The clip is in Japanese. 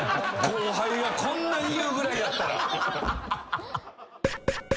後輩がこんな言うぐらいやったら。